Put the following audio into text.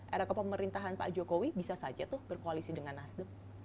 era kepemerintahan pak jokowi bisa saja tuh berkoalisi dengan nasdem